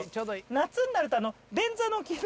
夏になると便座の機能。